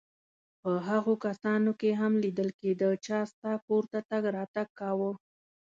په هغو کسانو کې هم لیدل کېده چا ستا کور ته تګ راتګ کاوه.